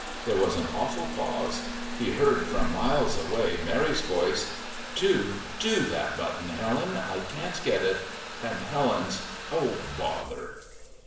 There was an awful pause; he heard from miles away Mary's voice: "Do do that button, Helen, I can't get it!" and Helen's "Oh, bother!"